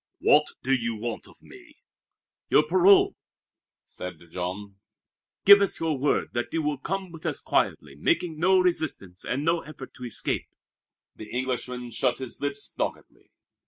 "What do you want of me?" "Your parole!" said Jean. "Give us your word that you will come with us quietly, making no resistance and no effort to escape." The Englishman shut his lips doggedly.